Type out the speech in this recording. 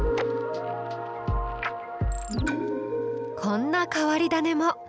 こんな変わり種も。